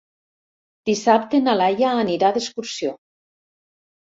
Dissabte na Laia anirà d'excursió.